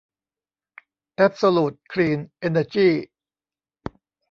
แอ๊บโซลูท คลีน เอ็นเนอร์จี้